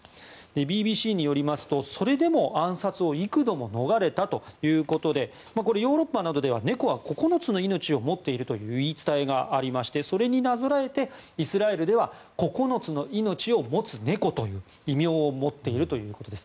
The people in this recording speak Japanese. ＢＢＣによりますと、それでも暗殺を幾度も逃れたということでこれ、ヨーロッパなどでは猫は９つの命を持っているという言い伝えがありましてそれになぞらえてイスラエルでは９つの命を持つ猫という異名を持っているということです。